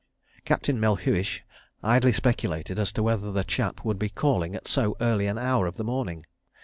... Captain Melhuish idly speculated as to whether the chap would be "calling" at so early an hour of the morning.